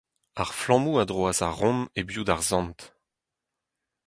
Ar flammoù a droas a-ront hebioù d'ar sant.